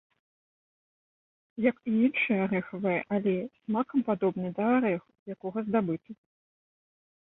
Як і іншыя арэхавыя алеі, смакам падобны да арэху, з якога здабыты.